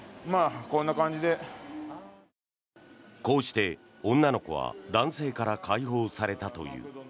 こうして女の子は男性から解放されたという。